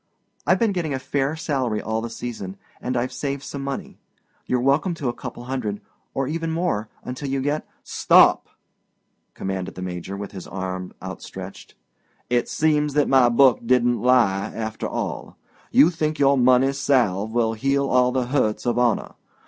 I've been getting a fair salary all the season, and I've saved some money. You're welcome to a couple hundred—or even more—until you get——" "Stop!" commanded the Major, with his arm outstretched. "It seems that my book didn't lie, after all. You think your money salve will heal all the hurts of honor.